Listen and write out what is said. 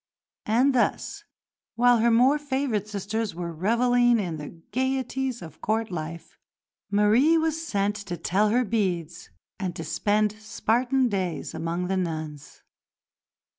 And thus, while her more favoured sisters were revelling in the gaieties of Court life, Marie was sent to tell her beads and to spend Spartan days among the nuns.